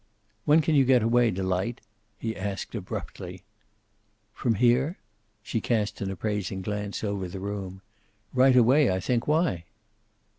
"When can you get away, Delight?" he asked abruptly. "From here?" She cast an appraising glance over the room. "Right away, I think. Why?"